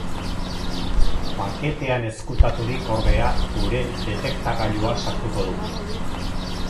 Paketean ezkutaturik, ordea, gure detektagailua sartuko dugu.